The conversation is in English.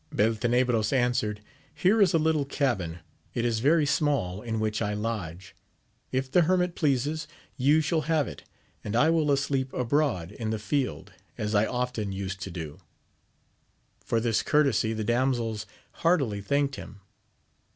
Beltenebros answered, here is a little cabin, it is very small, in which I lodge : if the hermit pleases, you shall have it, and I will asleep abroad in the field, as I often use to do. For this courtesy the damsels heartily thanked him.